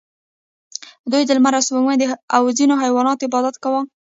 دوی د لمر او سپوږمۍ او ځینو حیواناتو عبادت کاوه